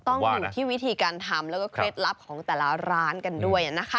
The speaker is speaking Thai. ต้องหนึ่งออกด้วยที่วิธีการทำและเคล็ดลับของแต่ล้าร้านกันด้วยนะคะ